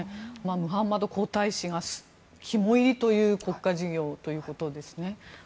ムハンマド皇太子の肝煎りという国家事業ということですね。